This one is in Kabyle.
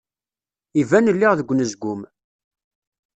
Iban lliɣ deg unezgum.